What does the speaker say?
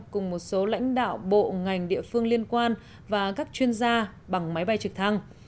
cùng một số lãnh đạo bộ ngành địa phương liên quan và các chuyên gia bằng máy bay trực thăng